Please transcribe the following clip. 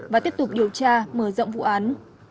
và tiếp tục điều tra mở rộng vụ án